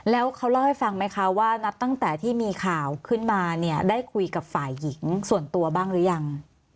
แล้วเขาเล่าให้ฟังไหมคะว่านับตั้งแต่ที่มีข่าวขึ้นมาเนี่ยได้คุยกับฝ่ายหญิงส่วนตัวบ้างหรือยัง